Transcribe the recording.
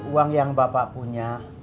uang yang bapak punya